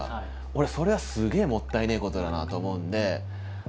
俺はそれはすげえもったいねえことだなと思うんで。